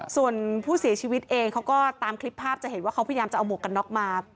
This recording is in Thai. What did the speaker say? ส่วนผู้เสียชีวิตเองเขาก็ตามคลิปภาพจะเห็นว่าเขาพยายามจะเอาหมวกกันน็อกมา